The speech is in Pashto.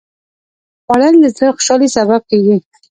خوړل د زړه خوشالي سبب کېږي